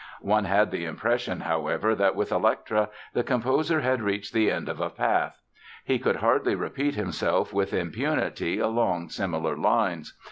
One had the impression, however, that with Elektra the composer had reached the end of a path. He could hardly repeat himself with impunity along similar lines.